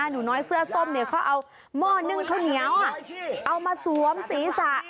หนูน้อยเสื้อส้มเขาเอาหม้อนึ่งข้าวเหนียวเอามาสวมศีรษะ